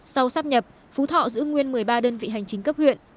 sau sắp nhập phú thọ giữ nguyên một mươi ba đơn vị hành chính cấp huyện